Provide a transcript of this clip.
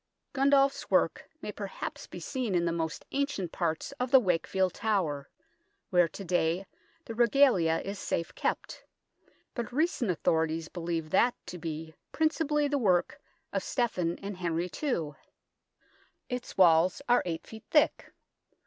Gundulf's work may perhaps be seen in the most ancient parts of the Wakefield Tower, where to day the Regalia is safe kept, but recent authorities believe that to be principally the work of Stephen and Henry II. Its walls are 8 ft. thick.